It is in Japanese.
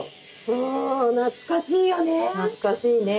そう懐かしいね。